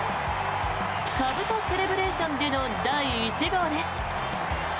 かぶとセレブレーションでの第１号です。